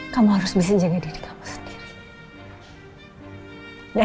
kamu harus bisa jaga diri kamu sendiri